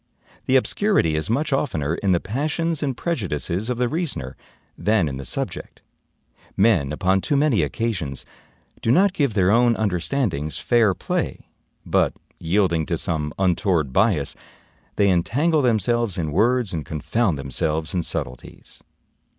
The obscurity is much oftener in the passions and prejudices of the reasoner than in the subject. Men, upon too many occasions, do not give their own understandings fair play; but, yielding to some untoward bias, they entangle themselves in words and confound themselves in subtleties.